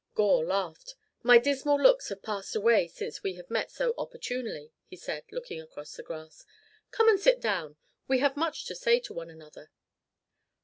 Gore laughed. "My dismal looks have passed away since we have met so opportunely," he said, looking across the grass. "Come and sit down. We have much to say to one another."